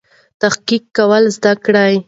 تحقیق کول زده کړئ.